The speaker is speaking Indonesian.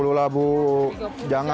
pasar buah brastagi